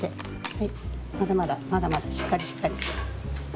はいまだまだまだまだしっかりしっかり。